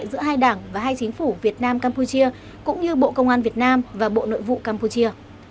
giữa hai đảng và hai chính phủ việt nam campuchia cũng như bộ công an việt nam và bộ nội vụ campuchia